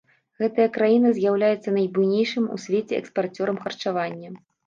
Гэтая краіна з'яўляецца найбуйнейшым у свеце экспарцёрам харчавання.